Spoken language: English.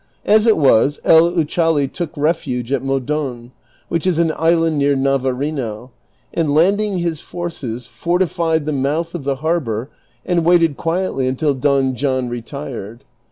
As it was, El Uchali took refuge at Modon, which is an island near Navarino, and landing his forces fortified the mouth of the harbor and waited quietl}' until Don John retired.